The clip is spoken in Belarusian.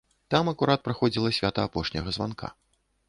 Там акурат праходзіла свята апошняга званка.